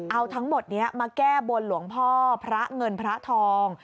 เอาทั้งหมดนี้มาแก้บนหลวงพ่อพระเงินพระทอง